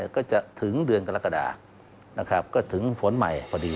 ก็จะถึงเดือนกรกฎานะครับก็ถึงฝนใหม่พอดี